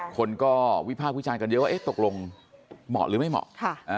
คนก็วิภาพวิชาลกันเดียวว่าตกลงเหมาะหรือไม่เหมาะ